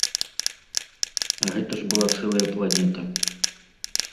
А гэта ж была цэлая планета.